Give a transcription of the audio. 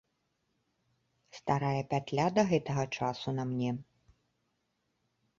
Старая пятля да гэтага часу на мне.